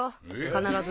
必ず。